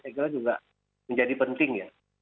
saya kira juga menjadi penting ya